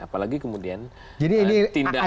apalagi kemudian tindakan